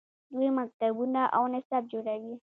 دوی مکتبونه او نصاب جوړوي.